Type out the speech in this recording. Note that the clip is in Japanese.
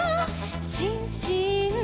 「しんしん」「」